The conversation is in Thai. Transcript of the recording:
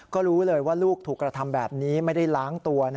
ก็รู้เลยว่าลูกถูกกระทำแบบนี้ไม่ได้ล้างตัว